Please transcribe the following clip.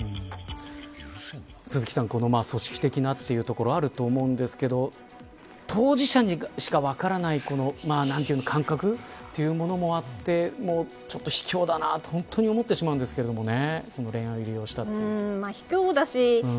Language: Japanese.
鈴木さん、この組織的なというところあると思うんですけれども当事者にしか分からない感覚というものもあってちょっと、ひきょうだなと本当に思ってしまうんですけどね